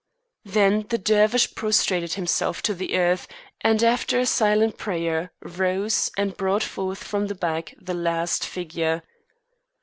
Then the Dervish prostrated himself to the earth, and after a silent prayer rose and brought forth from the bag the last figure.